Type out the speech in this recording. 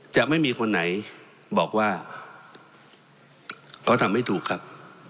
จะไม่มีคนไหนบอกว่าเขาทำไม่ถูกครับ